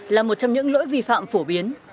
là một trong những lỗi vi phạm phổ biến